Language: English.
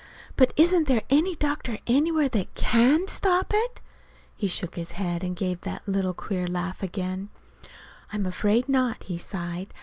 "But isn't there any doctor anywhere that can stop it?" He shook his head and gave that queer little laugh again. "I'm afraid not," he sighed.